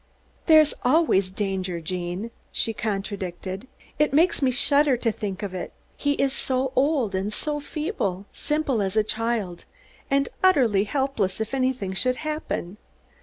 "There is always danger, Gene," she contradicted. "It makes me shudder just to think of it. He is so old and so feeble, simple as a child, and utterly helpless if anything should happen.